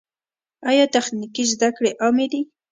آیا تخنیکي زده کړې عامې دي؟